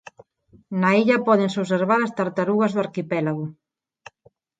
Na illa pódense observar as tartarugas do arquipélago.